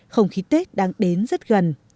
không khí tết đang đến rất gần